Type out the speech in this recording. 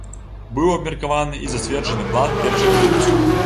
Быў абмеркаваны і зацверджаны план першага выпуску.